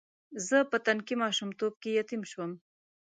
زه په تنکي ماشومتوب کې یتیم شوم.